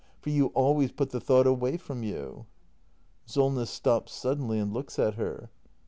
For you always put the thought away from you Solness. [Stops suddenly and looks at her.